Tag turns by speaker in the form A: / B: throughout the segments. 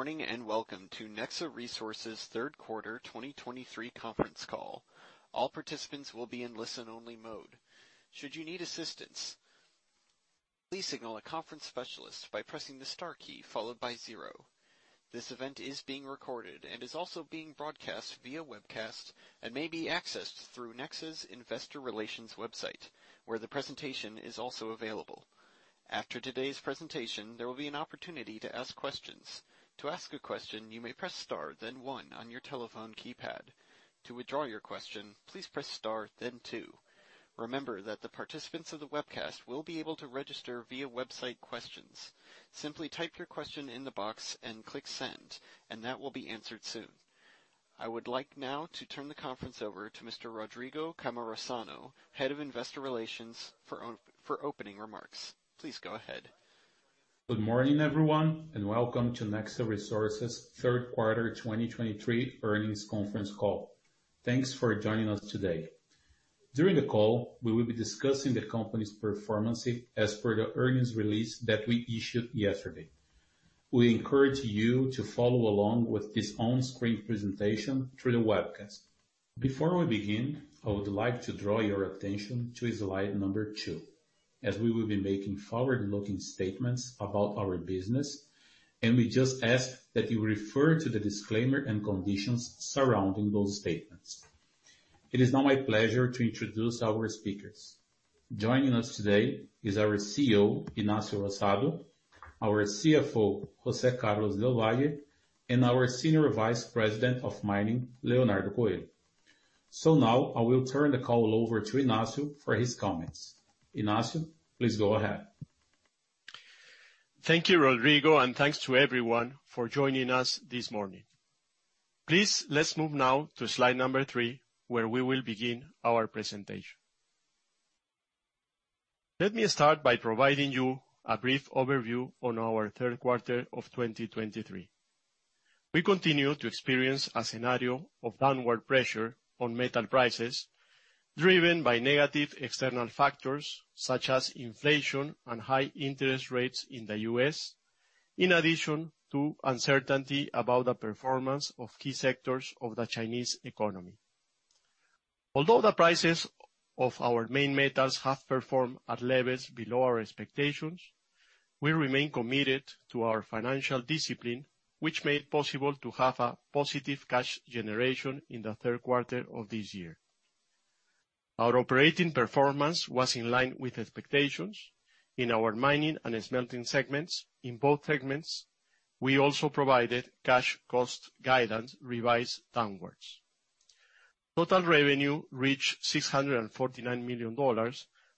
A: Good morning, and welcome to Nexa Resources' third quarter 2023 conference call. All participants will be in listen-only mode. Should you need assistance, please signal a conference specialist by pressing the star key followed by zero. This event is being recorded and is also being broadcast via webcast, and may be accessed through Nexa's Investor Relations website, where the presentation is also available. After today's presentation, there will be an opportunity to ask questions. To ask a question, you may press star, then one on your telephone keypad. To withdraw your question, please press star, then two. Remember that the participants of the webcast will be able to register via website questions. Simply type your question in the box and click Send, and that will be answered soon. I would like now to turn the conference over to Mr. Rodrigo Cammarosano, Head of Investor Relations, for opening remarks. Please go ahead.
B: Good morning, everyone, and welcome to Nexa Resources' third quarter 2023 earnings conference call. Thanks for joining us today. During the call, we will be discussing the company's performance as per the earnings release that we issued yesterday. We encourage you to follow along with this on-screen presentation through the webcast. Before we begin, I would like to draw your attention to slide number two, as we will be making forward-looking statements about our business, and we just ask that you refer to the disclaimer and conditions surrounding those statements. It is now my pleasure to introduce our speakers. Joining us today is our CEO, Ignacio Rosado, our CFO, José Carlos del Valle, and our Senior Vice President of Mining, Leonardo Coelho. So now I will turn the call over to Ignacio for his comments. Ignacio, please go ahead.
C: Thank you, Rodrigo, and thanks to everyone for joining us this morning. Please, let's move now to slide number three, where we will begin our presentation. Let me start by providing you a brief overview on our third quarter of 2023. We continue to experience a scenario of downward pressure on metal prices, driven by negative external factors such as inflation and high interest rates in the U.S., in addition to uncertainty about the performance of key sectors of the Chinese economy. Although the prices of our main metals have performed at levels below our expectations, we remain committed to our financial discipline, which made it possible to have a positive cash generation in the third quarter of this year. Our operating performance was in line with expectations in our mining and smelting segments. In both segments, we also provided cash cost guidance revised downwards. Total revenue reached $649 million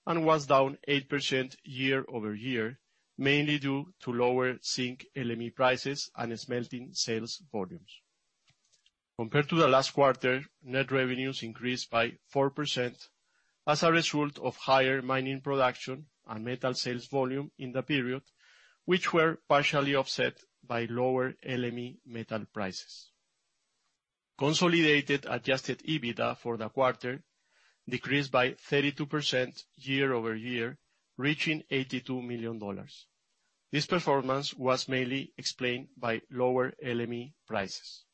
C: and was down 8% year-over-year, mainly due to lower zinc LME prices and smelting sales volumes. Compared to the last quarter, net revenues increased by 4% as a result of higher mining production and metal sales volume in the period, which were partially offset by lower LME metal prices. Consolidated adjusted EBITDA for the quarter decreased by 32% year-over-year, reaching $82 million. This performance was mainly explained by lower LME prices.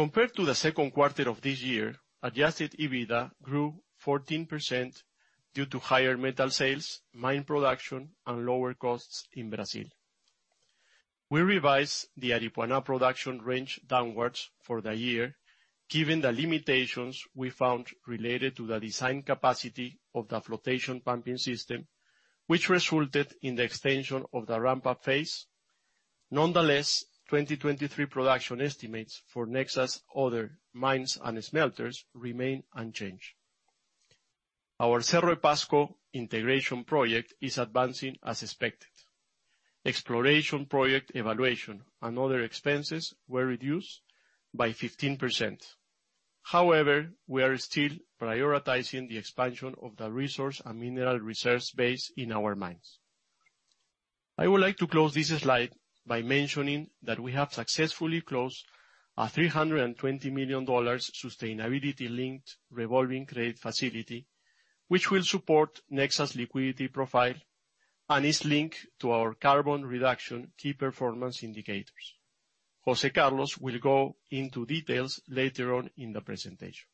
C: Compared to the second quarter of this year, adjusted EBITDA grew 14% due to higher metal sales, mine production, and lower costs in Brazil. We revised the Aripuanã production range downwards for the year, given the limitations we found related to the design capacity of the flotation pumping system, which resulted in the extension of the ramp-up phase. Nonetheless, 2023 production estimates for Nexa's other mines and smelters remain unchanged. Our Cerro Pasco integration project is advancing as expected. Exploration project evaluation and other expenses were reduced by 15%. However, we are still prioritizing the expansion of the resource and mineral reserve base in our mines. I would like to close this slide by mentioning that we have successfully closed a $320 million sustainability-linked revolving credit facility, which will support Nexa's liquidity profile and is linked to our carbon reduction key performance indicators. José Carlos will go into details later on in the presentation.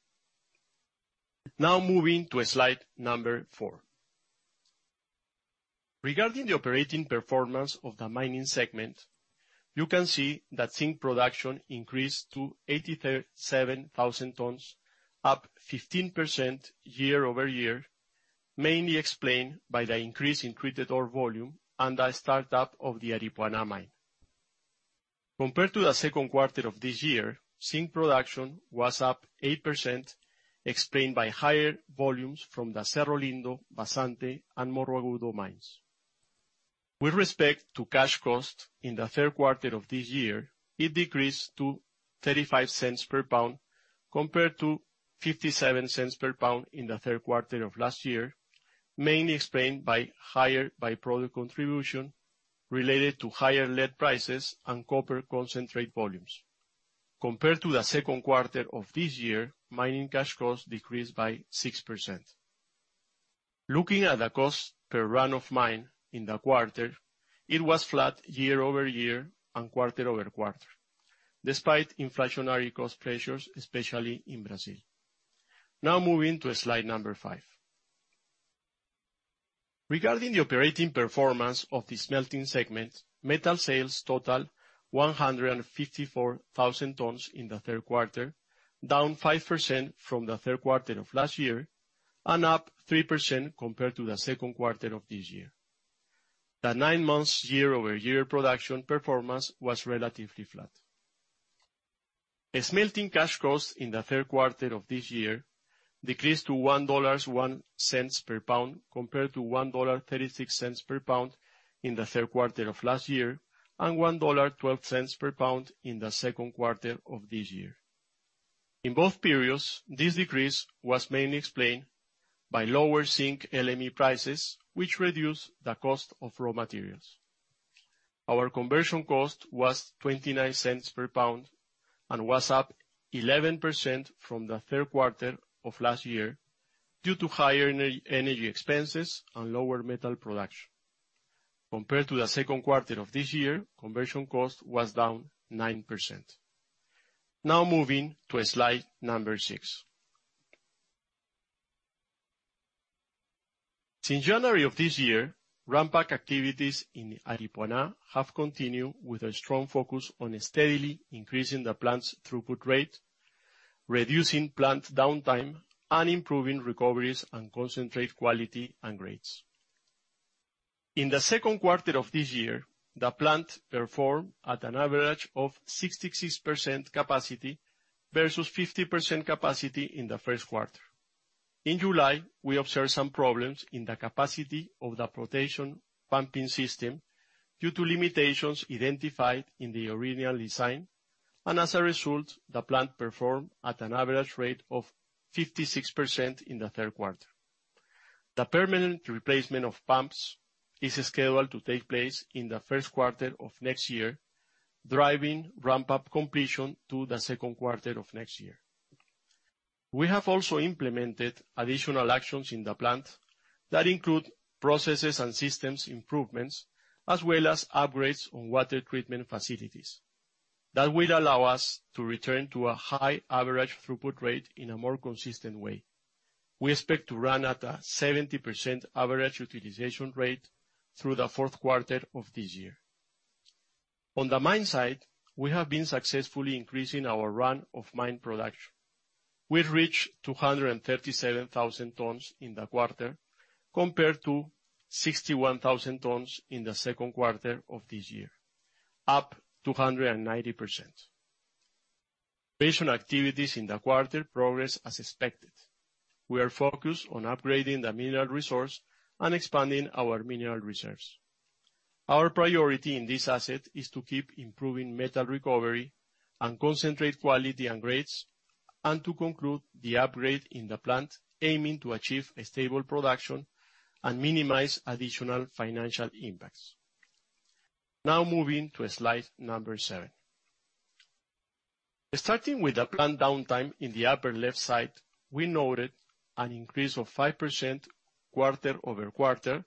C: Now moving to slide number four. Regarding the operating performance of the mining segment, you can see that zinc production increased to 87,000 tons, up 15% year-over-year, mainly explained by the increase in treated ore volume and the startup of the Aripuanã mine. Compared to the second quarter of this year, zinc production was up 8%, explained by higher volumes from the Cerro Lindo, Vazante, and Morro Agudo mines. With respect to cash cost in the third quarter of this year, it decreased to $0.35 per lb, compared to $0.57 per lb in the third quarter of last year, mainly explained by higher by-product contribution related to higher lead prices and copper concentrate volumes. Compared to the second quarter of this year, mining cash costs decreased by 6%. Looking at the cost per run of mine in the quarter, it was flat year-over-year and quarter-over-quarter, despite inflationary cost pressures, especially in Brazil. Now moving to slide five. Regarding the operating performance of the smelting segment, metal sales totaled 154,000 tons in the third quarter, down 5% from the third quarter of last year, and up 3% compared to the second quarter of this year. The nine months year-over-year production performance was relatively flat. The smelting cash cost in the third quarter of this year decreased to $1.01 per lb, compared to $1.36 per lb in the third quarter of last year, and $1.12 per lb in the second quarter of this year. In both periods, this decrease was mainly explained by lower zinc LME prices, which reduced the cost of raw materials. Our conversion cost was $0.29 per lb and was up 11% from the third quarter of last year due to higher energy expenses and lower metal production. Compared to the second quarter of this year, conversion cost was down 9%. Now moving to slide number six. Since January of this year, ramp-up activities in Aripuanã have continued with a strong focus on steadily increasing the plant's throughput rate, reducing plant downtime, and improving recoveries and concentrate quality and grades. In the second quarter of this year, the plant performed at an average of 66% capacity versus 50% capacity in the first quarter. In July, we observed some problems in the capacity of the flotation pumping system due to limitations identified in the original design, and as a result, the plant performed at an average rate of 56% in the third quarter. The permanent replacement of pumps is scheduled to take place in the first quarter of next year, driving ramp-up completion to the second quarter of next year. We have also implemented additional actions in the plant that include processes and systems improvements, as well as upgrades on water treatment facilities. That will allow us to return to a high average throughput rate in a more consistent way. We expect to run at a 70% average utilization rate through the fourth quarter of this year. On the mine site, we have been successfully increasing our run of mine production. We've reached 237,000 tons in the quarter, compared to 61,000 tons in the second quarter of this year, up 290%. Plant activities in the quarter progressed as expected. We are focused on upgrading the mineral resource and expanding our mineral reserves. Our priority in this asset is to keep improving metal recovery and concentrate quality and grades, and to conclude the upgrade in the plant, aiming to achieve a stable production and minimize additional financial impacts. Now moving to slide number seven. Starting with the plant downtime in the upper left side, we noted an increase of 5% quarter-over-quarter,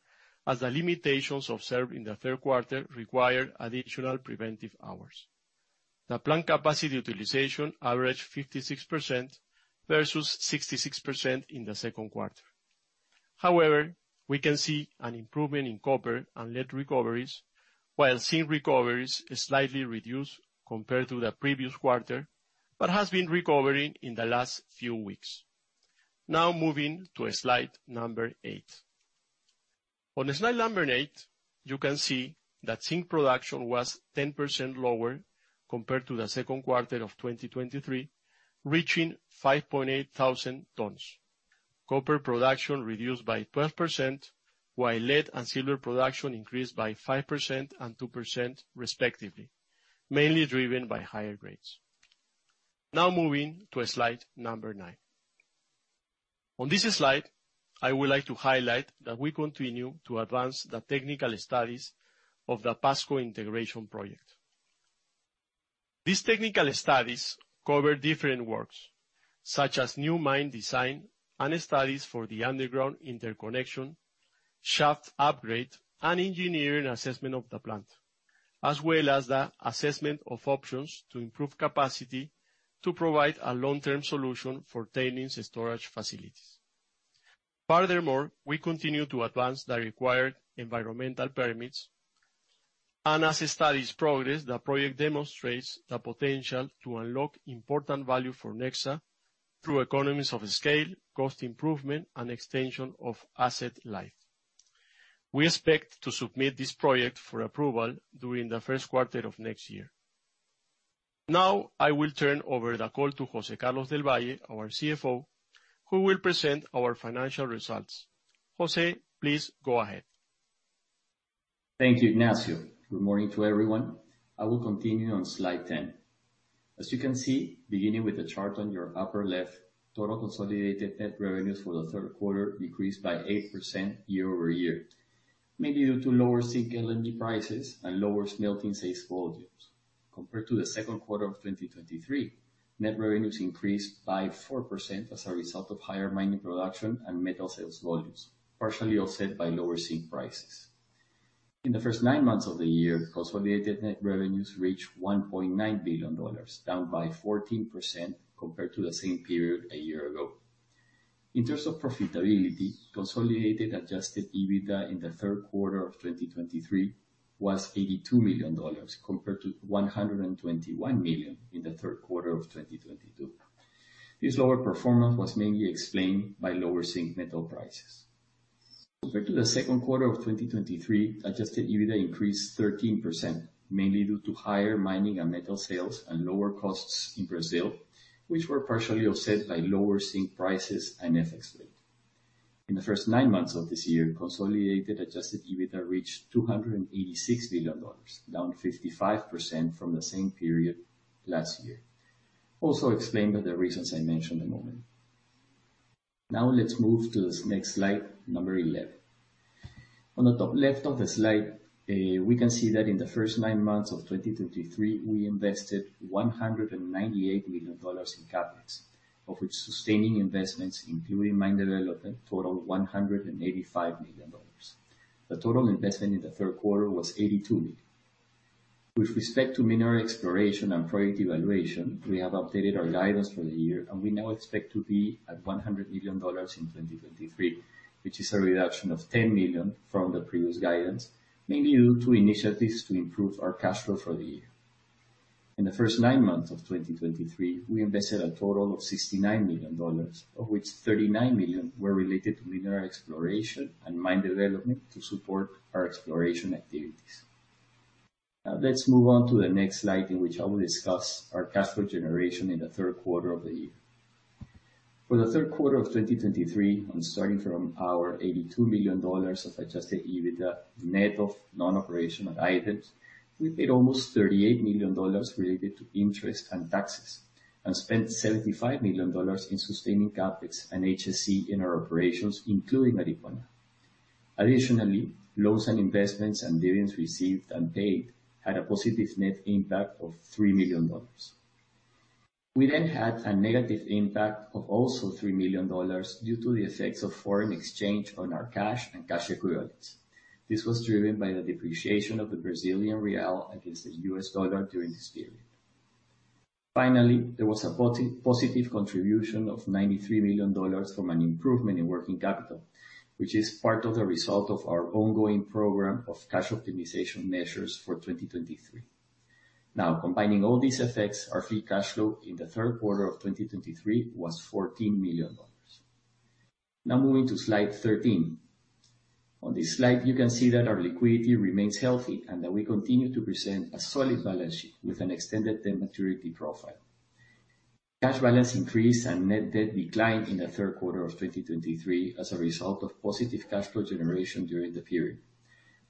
C: as the limitations observed in the third quarter required additional preventive hours. The plant capacity utilization averaged 56% versus 66% in the second quarter. However, we can see an improvement in copper and lead recoveries, while zinc recoveries slightly reduced compared to the previous quarter, but has been recovering in the last few weeks. Now moving to slide number eight. On slide number eight, you can see that zinc production was 10% lower compared to the second quarter of 2023, reaching 5,800 tons. Copper production reduced by 12%, while lead and silver production increased by 5% and 2%, respectively, mainly driven by higher grades. Now moving to slide number nine. On this slide, I would like to highlight that we continue to advance the technical studies of the Pasco integration project. These technical studies cover different works, such as new mine design and studies for the underground interconnection, shaft upgrade, and engineering assessment of the plant, as well as the assessment of options to improve capacity to provide a long-term solution for tailings storage facilities. Furthermore, we continue to advance the required environmental permits, and as the studies progress, the project demonstrates the potential to unlock important value for Nexa through economies of scale, cost improvement, and extension of asset life. We expect to submit this project for approval during the first quarter of next year. Now, I will turn over the call to José Carlos del Valle, our CFO, who will present our financial results. José, please go ahead.
D: Thank you, Ignacio. Good morning to everyone. I will continue on slide 10. As you can see, beginning with the chart on your upper left, total consolidated net revenues for the third quarter decreased by 8% year-over-year, mainly due to lower zinc LME prices and lower smelting sales volumes. Compared to the second quarter of 2023, net revenues increased by 4% as a result of higher mining production and metal sales volumes, partially offset by lower zinc prices. In the first nine months of the year, consolidated net revenues reached $1.9 billion, down by 14% compared to the same period a year ago. In terms of profitability, consolidated adjusted EBITDA in the third quarter of 2023 was $82 million, compared to $121 million in the third quarter of 2022. This lower performance was mainly explained by lower zinc metal prices. Compared to the second quarter of 2023, adjusted EBITDA increased 13%, mainly due to higher mining and metal sales and lower costs in Brazil, which were partially offset by lower zinc prices and FX rate. In the first nine months of this year, consolidated Adjusted EBITDA reached $286 billion, down 55% from the same period last year, also explained by the reasons I mentioned a moment. Now let's move to the next slide, number 11. On the top left of the slide, we can see that in the first nine months of 2023, we invested $198 million in CapEx, of which sustaining investments, including mine development, totaled $185 million. The total investment in the third quarter was $82 million. With respect to mineral exploration and project evaluation, we have updated our guidance for the year, and we now expect to be at $100 million in 2023, which is a reduction of $10 million from the previous guidance, mainly due to initiatives to improve our cash flow for the year. In the first nine months of 2023, we invested a total of $69 million, of which $39 million were related to mineral exploration and mine development to support our exploration activities. Now, let's move on to the next slide, in which I will discuss our cash flow generation in the third quarter of the year. For the third quarter of 2023, and starting from our $82 million of adjusted EBITDA, net of non-operational items, we made almost $38 million related to interest and taxes and spent $75 million in sustaining CapEx and HS&E in our operations, including Aripuanã. Additionally, loans and investments and dividends received and paid had a positive net impact of $3 million. We then had a negative impact of also $3 million due to the effects of foreign exchange on our cash and cash equivalents. This was driven by the depreciation of the Brazilian real against the U.S. dollar during this period. Finally, there was a positive contribution of $93 million from an improvement in working capital, which is part of the result of our ongoing program of cash optimization measures for 2023. Now, combining all these effects, our free cash flow in the third quarter of 2023 was $14 million. Now moving to slide 13. On this slide, you can see that our liquidity remains healthy and that we continue to present a solid balance sheet with an extended term maturity profile. Cash balance increased and net debt declined in the third quarter of 2023 as a result of positive cash flow generation during the period.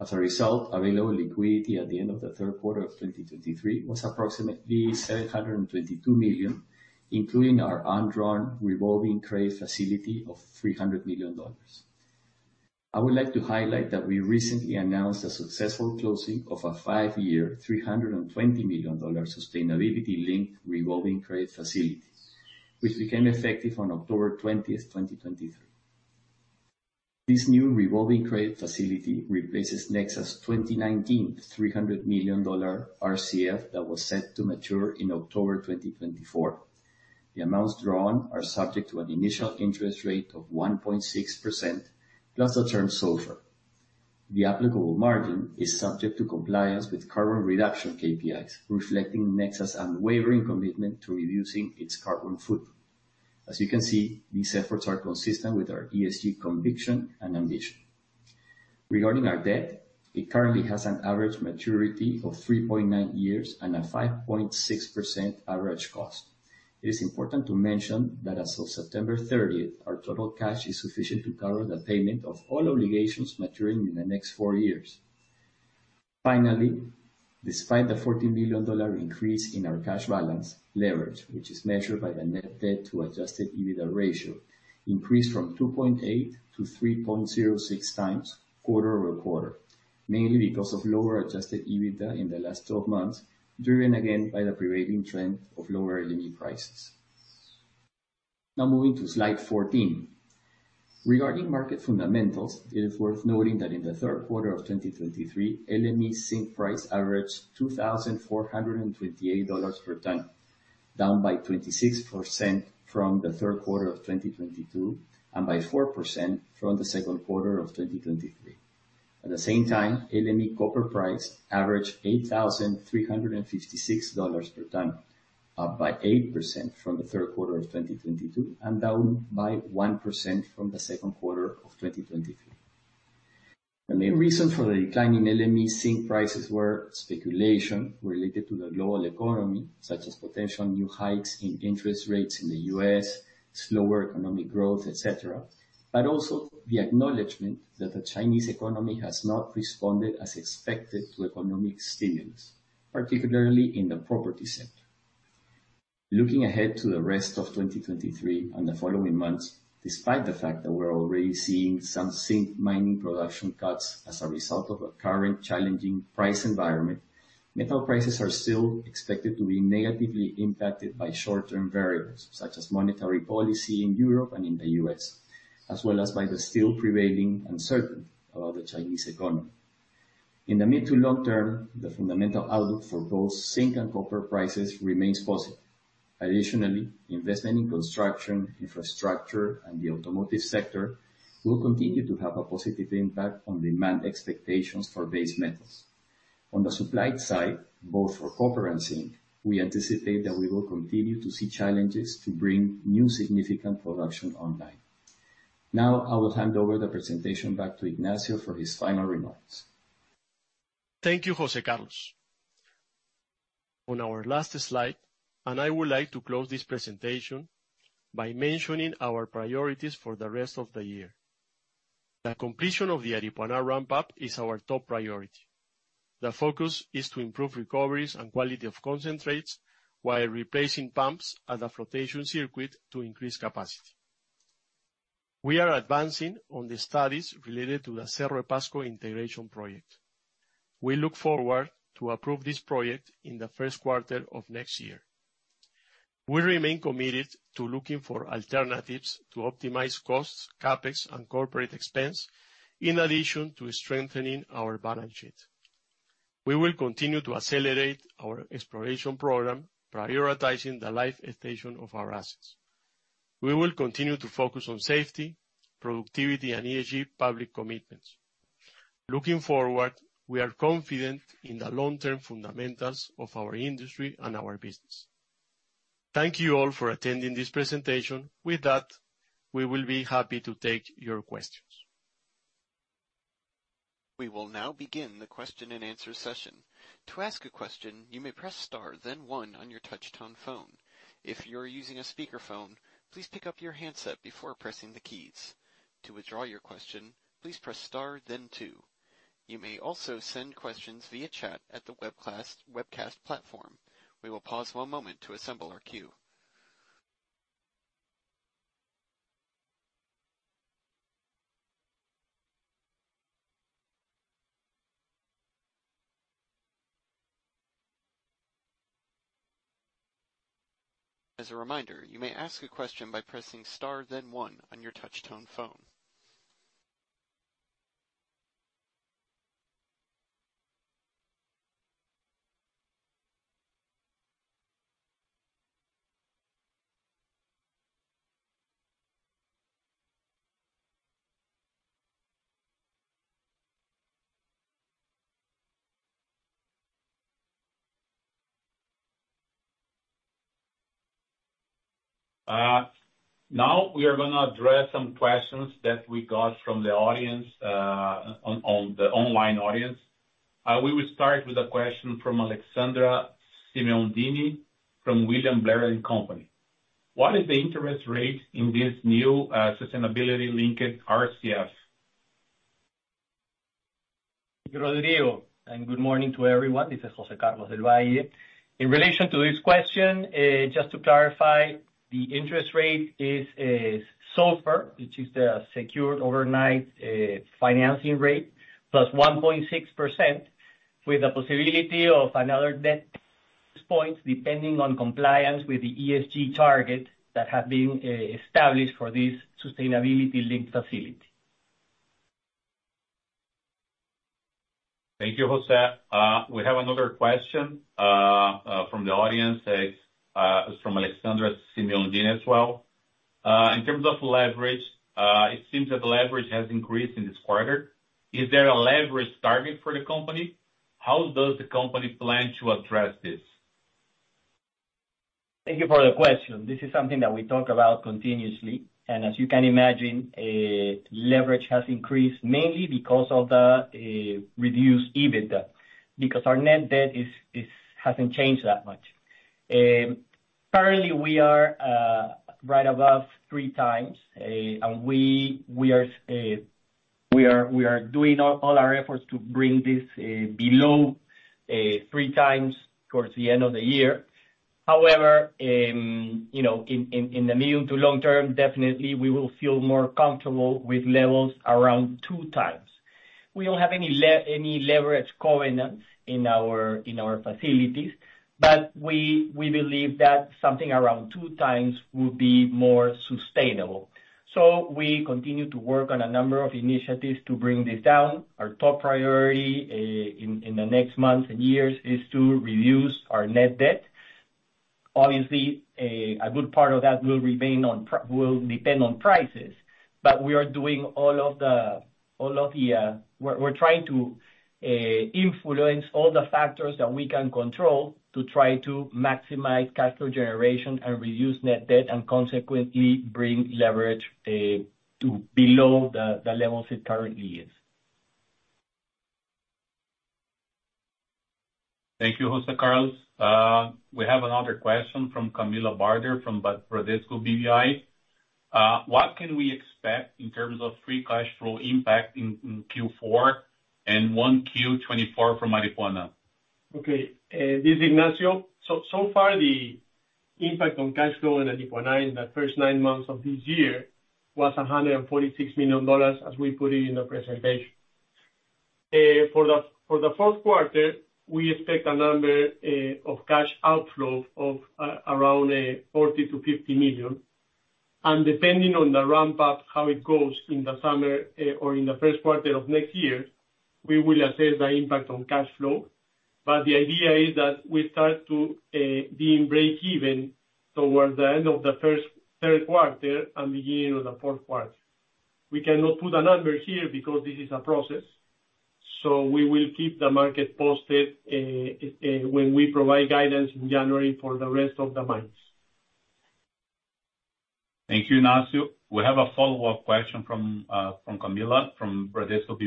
D: As a result, available liquidity at the end of the third quarter of 2023 was approximately $722 million, including our undrawn revolving trade facility of $300 million. I would like to highlight that we recently announced a successful closing of a five-year, $320 million sustainability-linked revolving credit facility, which became effective on October 20th, 2023. This new revolving credit facility replaces Nexa's 2019 $300 million RCF that was set to mature in October 2024. The amounts drawn are subject to an initial interest rate of 1.6% plus the term SOFR. The applicable margin is subject to compliance with carbon reduction KPIs, reflecting Nexa's unwavering commitment to reducing its carbon footprint. As you can see, these efforts are consistent with our ESG conviction and ambition. Regarding our debt, it currently has an average maturity of 3.9 years and a 5.6% average cost. It is important to mention that as of September 30th, our total cash is sufficient to cover the payment of all obligations maturing in the next four years. Finally, despite the $14 million increase in our cash balance, leverage, which is measured by the net debt to adjusted EBITDA ratio, increased from 2.8x to 3.06x quarter-over-quarter, mainly because of lower adjusted EBITDA in the last 12 months, driven again by the prevailing trend of lower LME prices. Now moving to slide 14. Regarding market fundamentals, it is worth noting that in the third quarter of 2023, LME zinc price averaged $2,428 per ton, down by 26% from the third quarter of 2022, and by 4% from the second quarter of 2023. At the same time, LME copper price averaged $8,356 per ton, up by 8% from the third quarter of 2022 and down by 1% from the second quarter of 2023. The main reason for the decline in LME zinc prices were speculation related to the global economy, such as potential new hikes in interest rates in the U.S., slower economic growth, etc., but also the acknowledgment that the Chinese economy has not responded as expected to economic stimulus, particularly in the property sector. Looking ahead to the rest of 2023 and the following months, despite the fact that we're already seeing some zinc mining production cuts as a result of a current challenging price environment, metal prices are still expected to be negatively impacted by short-term variables, such as monetary policy in Europe and in the US, as well as by the still prevailing uncertainty about the Chinese economy. In the mid to long term, the fundamental outlook for both zinc and copper prices remains positive. Additionally, investment in construction, infrastructure, and the automotive sector will continue to have a positive impact on demand expectations for base metals. On the supply side, both for copper and zinc, we anticipate that we will continue to see challenges to bring new significant production online. Now, I will hand over the presentation back to Ignacio for his final remarks.
C: Thank you, José Carlos. On our last slide, I would like to close this presentation by mentioning our priorities for the rest of the year. The completion of the Aripuanã ramp-up is our top priority. The focus is to improve recoveries and quality of concentrates while replacing pumps at the flotation circuit to increase capacity. We are advancing on the studies related to the Cerro Pasco integration project. We look forward to approve this project in the first quarter of next year. We remain committed to looking for alternatives to optimize costs, CapEx, and corporate expense, in addition to strengthening our balance sheet. We will continue to accelerate our exploration program, prioritizing the life extension of our assets. We will continue to focus on safety, productivity, and ESG public commitments. Looking forward, we are confident in the long-term fundamentals of our industry and our business. Thank you all for attending this presentation. With that, we will be happy to take your questions.
A: We will now begin the question-and-answer session. To ask a question, you may press star, then one on your touchtone phone. If you're using a speakerphone, please pick up your handset before pressing the keys. To withdraw your question, please press star then two. You may also send questions via chat at the webcast platform. We will pause one moment to assemble our queue. As a reminder, you may ask a question by pressing star, then one on your touchtone phone.
B: Now we are gonna address some questions that we got from the audience, on the online audience. We will start with a question from Alexandra Symeonidi, from William Blair & Company. What is the interest rate in this new, sustainability-linked RCF?
D: Rodrigo, and good morning to everyone. This is José Carlos del Valle. In relation to this question, just to clarify, the interest rate is SOFR, which is the Secured Overnight Financing Rate, +1.6%, with the possibility of another 10 points, depending on compliance with the ESG target that have been established for this sustainability-linked facility.
B: Thank you, José. We have another question from the audience. It's from Alexandra Symeonidi as well. In terms of leverage, it seems that the leverage has increased in this quarter. Is there a leverage target for the company? How does the company plan to address this?
D: Thank you for the question. This is something that we talk about continuously, and as you can imagine, leverage has increased mainly because of the reduced EBITDA, because our net debt hasn't changed that much. Currently, we are right above 3x, and we are doing all our efforts to bring this below three times towards the end of the year. However, you know, in the medium to long term, definitely we will feel more comfortable with levels around 2x. We don't have any leverage covenants in our facilities, but we believe that something around two times will be more sustainable. So we continue to work on a number of initiatives to bring this down. Our top priority in the next months and years is to reduce our net debt. Obviously, a good part of that will depend on prices, but we are doing all of the. We're trying to influence all the factors that we can control, to try to maximize cash flow generation and reduce net debt, and consequently bring leverage to below the levels it currently is.
B: Thank you, José Carlos. We have another question from Camilla Barder, from Bradesco BBI. What can we expect in terms of free cash flow impact in Q4 and 1Q 2024 from Aripuanã?
C: Okay, this is Ignacio. So, so far, the impact on cash flow in Aripuanã in the first nine months of this year was $146 million, as we put it in the presentation. For the fourth quarter, we expect a number of cash outflow of around $40 million-$50 million. And depending on the ramp-up, how it goes in the summer, or in the first quarter of next year, we will assess the impact on cash flow. But the idea is that we start to being break even towards the end of the first third quarter and beginning of the fourth quarter. We cannot put a number here because this is a process, so we will keep the market posted when we provide guidance in January for the rest of the months.
B: Thank you, Ignacio. We have a follow-up question from Camilla, from Bradesco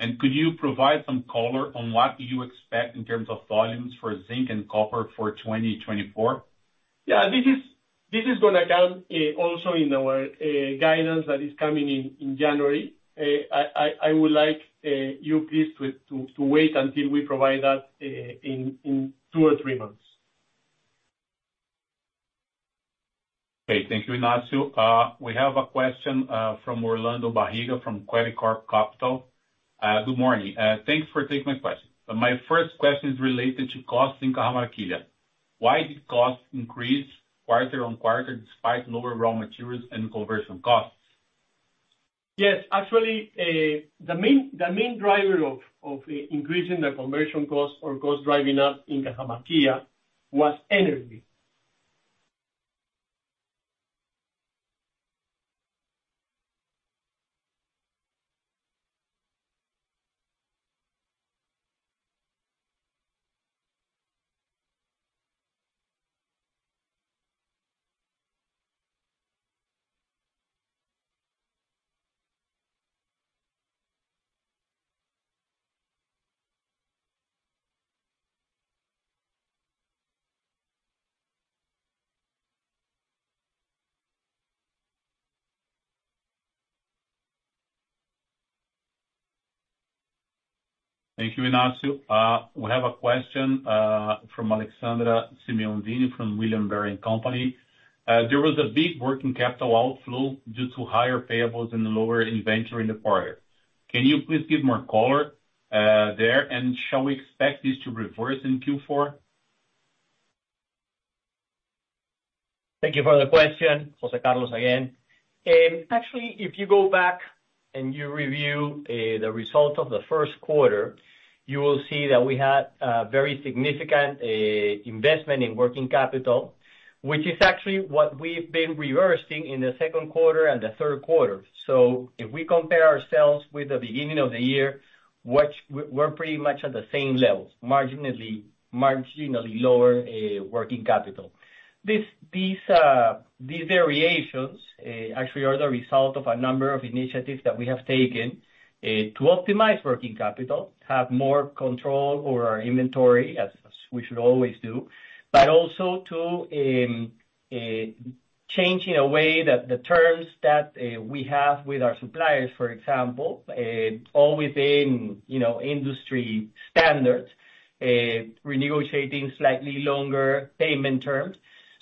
B: BBI. Could you provide some color on what you expect in terms of volumes for zinc and copper for 2024?
C: Yeah, this is gonna come also in our guidance that is coming in January. I would like you please to wait until we provide that in two or three months.
B: Okay, thank you, Ignacio. We have a question from Orlando Barriga, from Credicorp Capital. Good morning, thanks for taking my question. My first question is related to costs in Cajamarquilla. Why did costs increase quarter-over-quarter, despite lower raw materials and conversion costs?
C: Yes, actually, the main driver of increasing the conversion cost or cost driving up in Cajamarquilla was energy.
B: Thank you, Ignacio. We have a question from Alexandra Symeonidi, from William Blair & Company. There was a big working capital outflow due to higher payables and lower inventory in the quarter. Can you please give more color there? And shall we expect this to reverse in Q4?
D: Thank you for the question. José Carlos again. Actually, if you go back and you review the results of the first quarter, you will see that we had a very significant investment in working capital, which is actually what we've been reversing in the second quarter and the third quarter. So if we compare ourselves with the beginning of the year, which we're pretty much at the same level, marginally, marginally lower working capital. These variations actually are the result of a number of initiatives that we have taken to optimize working capital, have more control over our inventory, as we should always do, but also to change in a way that the terms that we have with our suppliers, for example, all within, you know, industry standards, renegotiating slightly longer payment terms.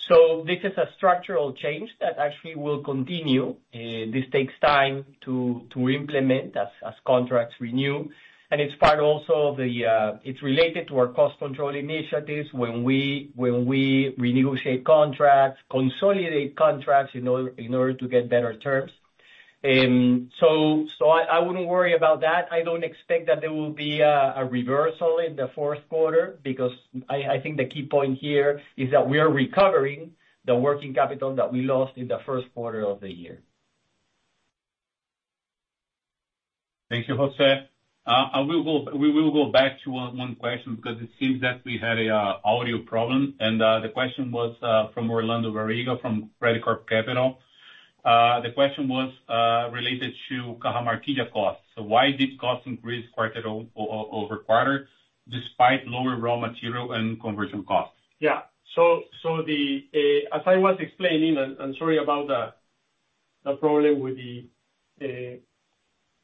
D: So this is a structural change that actually will continue. This takes time to implement as contracts renew, and it's part also of the. It's related to our cost control initiatives when we renegotiate contracts, consolidate contracts in order to get better terms. So I wouldn't worry about that. I don't expect that there will be a reversal in the fourth quarter, because I think the key point here is that we are recovering the working capital that we lost in the first quarter of the year.
B: Thank you, José. We will go back to one question because it seems that we had an audio problem, and the question was from Orlando Barriga, from Credicorp Capital. The question was related to Cajamarquilla costs. So why did costs increase quarter-over-quarter, despite lower raw material and conversion costs?
C: Yeah. So, as I was explaining, and sorry about the problem with the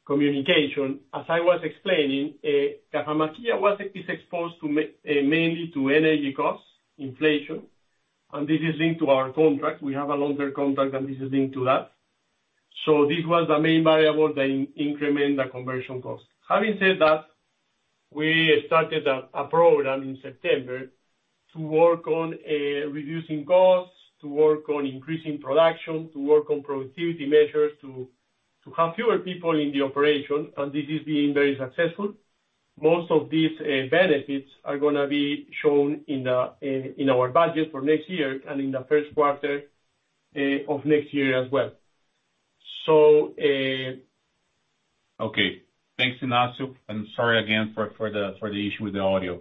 C: communication. As I was explaining, Cajamarquilla was, is exposed to mainly to energy costs, inflation, and this is linked to our contract. We have a longer contract, and this is linked to that. So this was the main variable that increment the conversion cost. Having said that, we started a program in September to work on reducing costs, to work on increasing production, to work on productivity measures, to have fewer people in the operation, and this is being very successful. Most of these benefits are gonna be shown in our budget for next year and in the first quarter of next year as well. So,
B: Okay, thanks, Ignacio, and sorry again for the issue with the audio.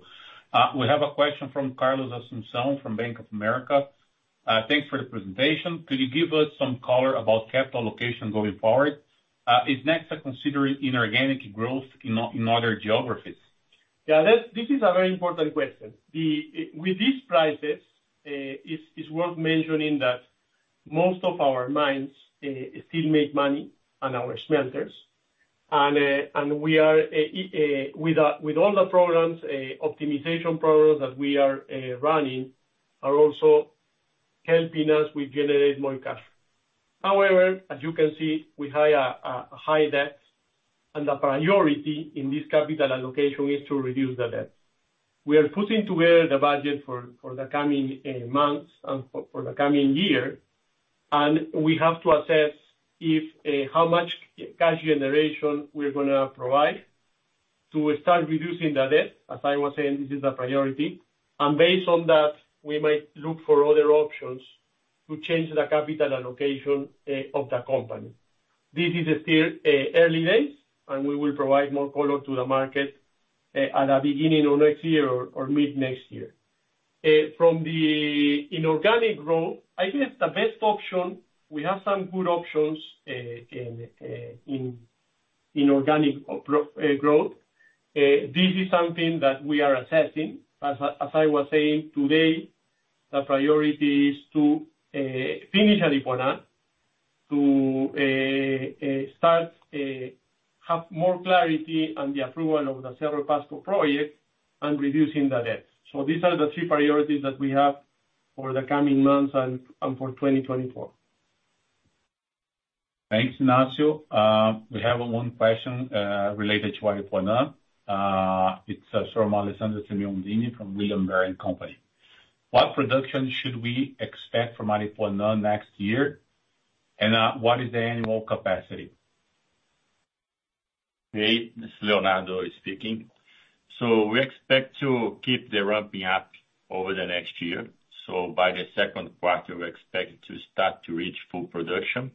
B: We have a question from Carlos Assumpção from Bank of America. Thanks for the presentation. Could you give us some color about capital allocation going forward? Is Nexa considering inorganic growth in other geographies?
C: Yeah, that's, this is a very important question. The, with these prices, it's worth mentioning that most of our mines still make money on our smelters. And we are with all the programs, optimization programs that we are running, are also helping us with generate more cash. However, as you can see, we have a high debt, and the priority in this capital allocation is to reduce the debt. We are putting together the budget for the coming months and for the coming year, and we have to assess if how much cash generation we're gonna provide to start reducing the debt. As I was saying, this is a priority, and based on that, we might look for other options to change the capital allocation of the company. This is still early days, and we will provide more color to the market at the beginning of next year or mid next year. From the inorganic growth, I think the best option, we have some good options in organic growth. This is something that we are assessing. As I was saying today, the priority is to finish Aripuanã, to start have more clarity on the approval of the Cerro Pasco project and reducing the debt. So these are the three priorities that we have for the coming months and for 2024.
B: Thanks, Ignacio. We have one question related to Aripuanã. It's from Alexandra Symeonidi from William Blair & Company. What production should we expect from Aripuanã next year, and what is the annual capacity?
E: Hey, this is Leonardo speaking. We expect to keep the ramping up over the next year. By the second quarter, we expect to start to reach full production.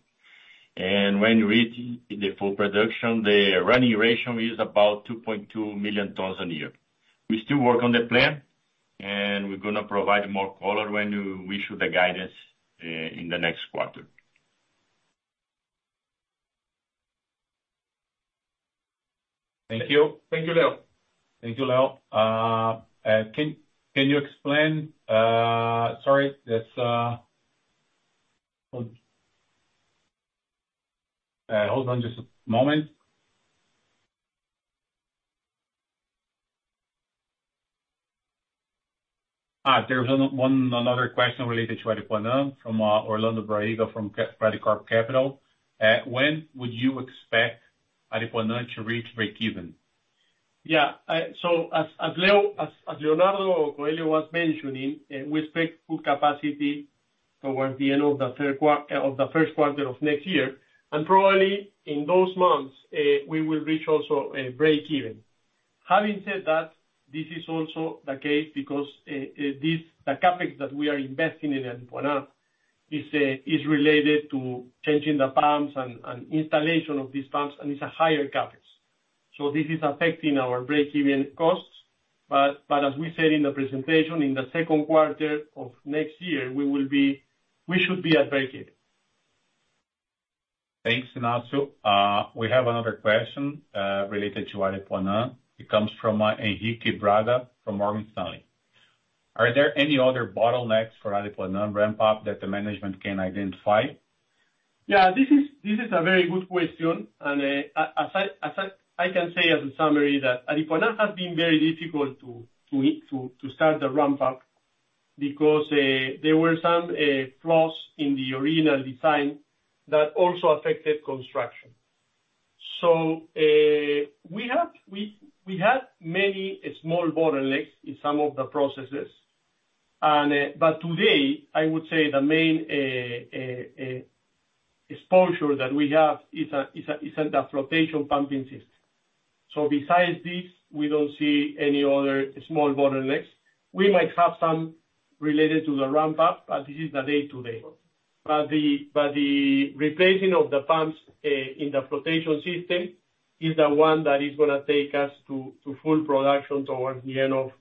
E: When we reach the full production, the running ratio is about 2.2 million tons a year. We still work on the plan, and we're gonna provide more color when we issue the guidance in the next quarter.
B: Thank you.
C: Thank you, Leo.
B: Thank you, Leo. Sorry, hold on just a moment. Ah, there's another question related to Aripuanã from Orlando Barriga from Credicorp Capital. When would you expect Aripuanã to reach breakeven?
C: Yeah. So as Leo, as Leonardo Coelho was mentioning, we expect full capacity towards the end of the first quarter of next year, and probably in those months, we will reach also a breakeven. Having said that, this is also the case because this, the CapEx that we are investing in Aripuanã is related to changing the pumps and installation of these pumps, and it's a higher CapEx. So this is affecting our breakeven costs, but as we said in the presentation, in the second quarter of next year, we will be—we should be at breakeven.
B: Thanks, Ignacio. We have another question, related to Aripuanã. It comes from Henrique Braga from Morgan Stanley. Are there any other bottlenecks for Aripuanã ramp-up that the management can identify?
C: Yeah, this is a very good question, and as I can say as a summary that Aripuanã has been very difficult to start the ramp-up because there were some flaws in the original design that also affected construction. So we had many small bottlenecks in some of the processes, and but today, I would say the main exposure that we have is the flotation pumping system. So besides this, we don't see any other small bottlenecks. We might have some related to the ramp-up, but this is the day today. But the replacing of the pumps in the flotation system is the one that is gonna take us to full production towards the end of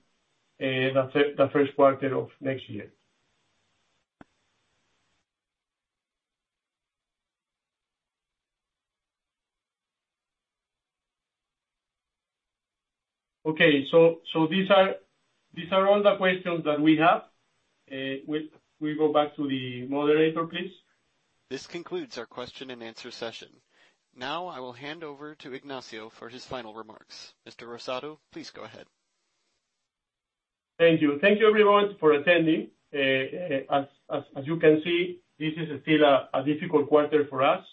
C: the first quarter of next year. Okay. So these are all the questions that we have. We go back to the moderator, please.
A: This concludes our question and answer session. Now, I will hand over to Ignacio for his final remarks. Mr. Rosado, please go ahead.
C: Thank you. Thank you everyone for attending. As you can see, this is still a difficult quarter for us.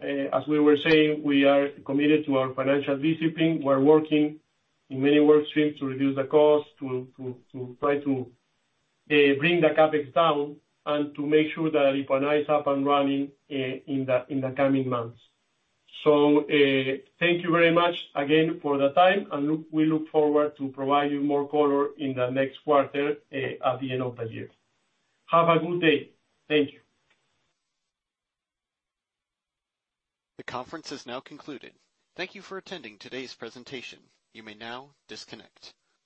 C: As we were saying, we are committed to our financial discipline. We're working in many work streams to reduce the cost, to try to bring the CapEx down, and to make sure that Aripuanã is up and running in the coming months. So, thank you very much again for the time, and look, we look forward to providing more color in the next quarter at the end of the year. Have a good day. Thank you.
A: The conference is now concluded. Thank you for attending today's presentation. You may now disconnect.